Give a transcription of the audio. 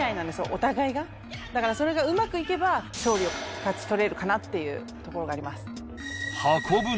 お互いがだからそれがうまくいけば勝利を勝ち取れるかなっていうえっ！？